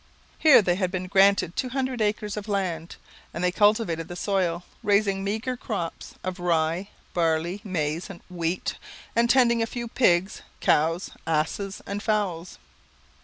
Here they had been granted two hundred acres of land, and they cultivated the soil, raising meagre crops of rye, barley, maize, and wheat, and tending a few pigs, cows, asses, and fowls.